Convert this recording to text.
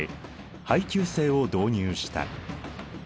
配給制を導入した。